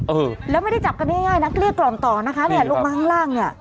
เออแล้วไม่ได้จับกันง่ายง่ายนักเรียกกล่อมต่อนะคะเนี้ยลงมาข้างล่างอ่ะ